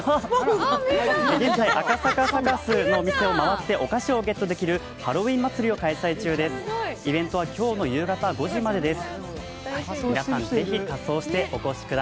現在、赤坂サカスの店を回ってお菓子をゲットできるハロウィン祭を開催中です。